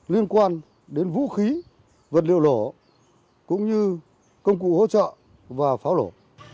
liên quan đến vũ khí vật liệu lổ cũng như công cụ hỗ trợ và pháo lổ